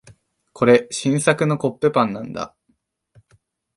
これ、新作のコッペパンなんだ。